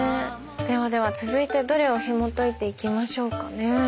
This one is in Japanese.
ではでは続いてどれをひもといていきましょうかね。